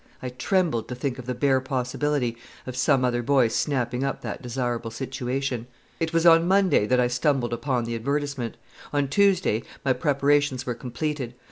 I trembled to think of the bare possibility of some other boy snapping up that desirable situation. It was on Monday that I stumbled upon the advertisement. On Tuesday my preparations were completed.